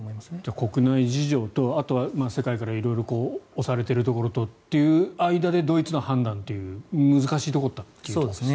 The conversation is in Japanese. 国内事情とあとは世界から色々と押されているところという間でドイツの判断という難しいところだということですね。